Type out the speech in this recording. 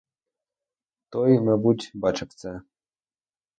Той, мабуть, бачив це.